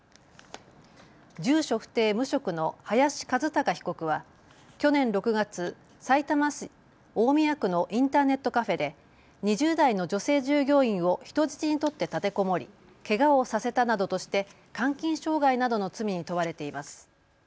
住所不定・無職の林一貴被告は去年６月、さいたま市大宮区のインターネットカフェで２０代の女性従業員を人質に取って立てこもり、けがをさせたなどとして監禁傷害などの罪に問われています。